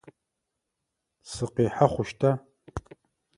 Сыкъихьэ хъущта?